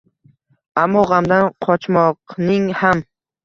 Ammo g’amdan qochmoqning ham